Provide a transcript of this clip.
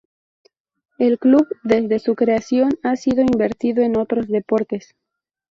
El club, desde su creación, ha ido invirtiendo en otros deportes.